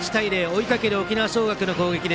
追いかける沖縄尚学の攻撃。